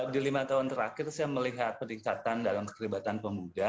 di lima tahun terakhir saya melihat peningkatan dalam keterlibatan pemuda